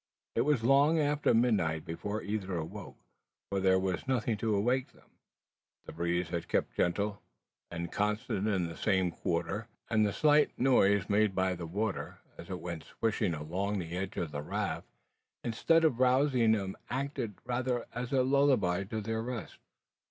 It was long after midnight before either awoke: for there was nothing to awake them. The breeze had kept gentle, and constant in the same quarter; and the slight noise made by the water, as it went "swishing" along the edge of the raft, instead of rousing them acted rather as a lullaby to their rest.